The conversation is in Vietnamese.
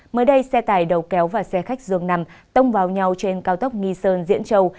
mới đây xe tải đầu kéo và xe khách dường nằm tông vào nhau trên cao tốc nghi sơn diễn châu